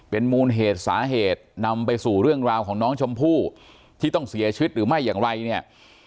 เป็นมูลเหตุสาเหตุนำไปสู่เรื่องราวของน้องชมพู่ที่ต้องเสียชีวิตหรือไม่อย่างไรเนี่ย